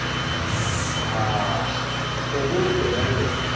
さあ覚えてないですね。